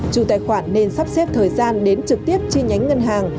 chủ tài khoản nên sắp xếp thời gian đến trực tiếp chi nhánh ngân hàng